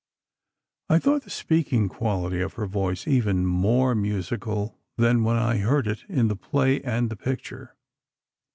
I thought the speaking quality of her voice even more musical than when I had heard it in the play and the picture.